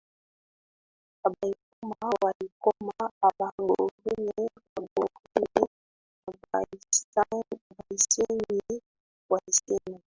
Abhaikoma Waikoma Abhangoreme Wangoreme Abhaisenye Waisenye